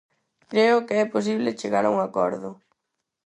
Creo que é posible chegar a un acordo.